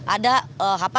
ada yang dihuni masyarakat